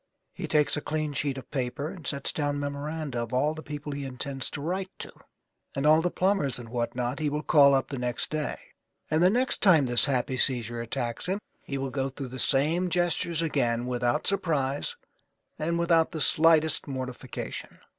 He takes a clean sheet of paper and sets down memoranda of all the people he intends to write to, and all the plumbers and what not that he will call up the next day. And the next time this happy seizure attacks him he will go through the same gestures again without surprise and without the slightest mortification.